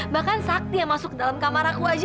bahkan saat dia masuk ke dalam kamar aku aja